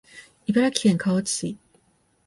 茨城県河内町